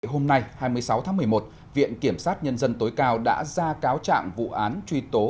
hôm nay hai mươi sáu tháng một mươi một viện kiểm sát nhân dân tối cao đã ra cáo trạng vụ án truy tố